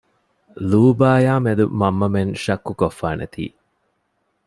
ލޫބާޔާމެދު މަންމަމެން ޝައްކުކޮށްފާނެތީ